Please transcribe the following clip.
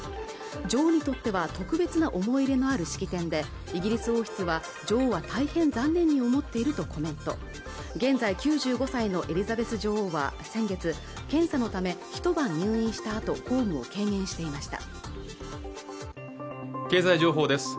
女王にとっては特別な思い入れのある式典でイギリス王室は女王は大変残念に思っているとコメント現在９５歳のエリザベス女王は先月検査のため一晩入院したあと公務を軽減していました